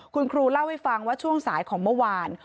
คุณครูเล่าให้ฟังว่าช่วงสายของเมื่อวาน